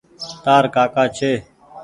تآر ڪآڪآ ڇي۔